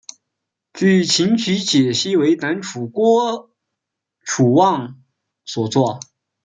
据琴曲解析为南宋郭楚望所作。